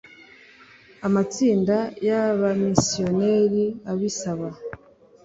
Amatsinda y abamisiyoneri abisaba